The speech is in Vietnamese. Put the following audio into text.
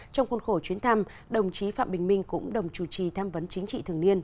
trong khuôn khổ chuyến thăm đồng chí phạm bình minh cũng đồng chủ trì tham vấn chính trị thường niên